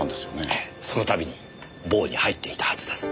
ええそのたびに房に入っていたはずです。